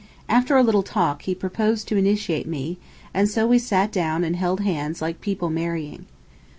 After a little talk he proposed to initiate me, and so we sat down and held hands like people marrying.